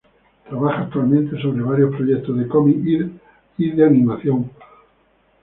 Trabaja actualmente sobre varios proyectos de cómic y de animación.